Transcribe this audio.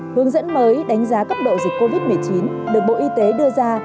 hướng dẫn mới đánh giá cấp độ dịch covid một mươi chín được bộ y tế đưa ra